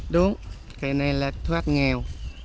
đúng cây này là thuốc nghèo